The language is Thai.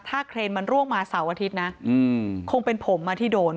ถ้าเครนมันร่วงมาเสาร์อาทิตย์นะคงเป็นผมที่โดน